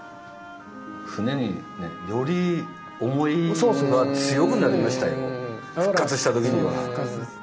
船により思いが強くなりましたよ復活した時には。